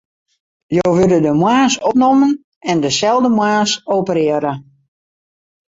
Jo wurde de moarns opnommen en deselde moarns operearre.